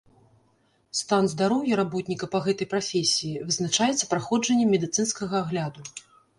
Стан здароўя работніка па гэтай прафесіі вызначаецца праходжаннем медыцынскага агляду.